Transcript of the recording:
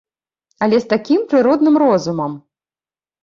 Але з такім прыродным розумам!